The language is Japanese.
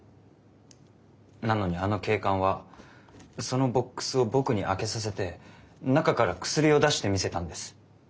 なのにあの警官はそのボックスを僕に開けさせて中からクスリを出して見せたんです。